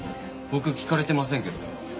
僕聞かれてませんけど。